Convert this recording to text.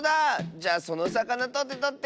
じゃそのさかなとってとって！